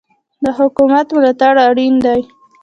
د حکومت ملاتړ اړین دی.